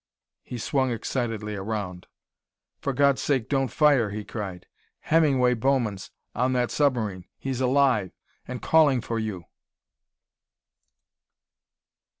He swung excitedly around. "For God's sake, don't fire!" he cried. "Hemingway Bowman's on that submarine! He's alive and calling for you!"